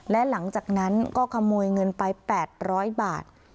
และหลังจากนั้นก็ขโมยเงินไป๘๐๐บาท